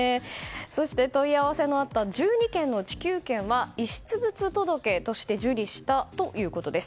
そして、問い合わせのあった１２件のうち９件は遺失物届として受理したということです。